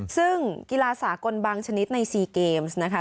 ซึ่งกีฬาสากลบางชนิดใน๔เกมส์นะคะ